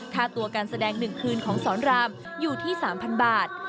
ค่าตัวการแสดงหนึ่งพื้นของสรรรามอยู่ที่๓๐๐๐บาท